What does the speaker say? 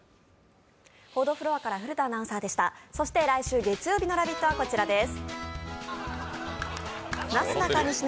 来週月曜日の「ラヴィット！」はこちらです。